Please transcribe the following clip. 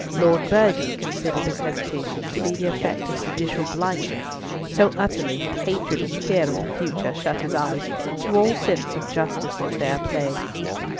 Lord Burghley considered this hesitation to be the effect of judicial blindness—so utterly had hatred and fear of the future shut his eyes to all sense of justice and fair play.